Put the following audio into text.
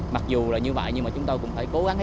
mặc dù là như vậy nhưng mà chúng tôi cũng phải cố gắng